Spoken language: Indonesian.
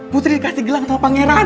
putri dikasih gelang sama pangeran